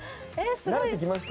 慣れてきました？